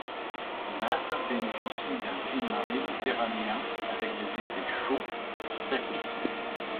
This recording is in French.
Naples bénéficie d'un climat méditerranéen avec des étés chauds et secs.